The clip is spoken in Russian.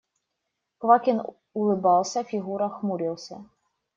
Квакин улыбался, Фигура хмурился.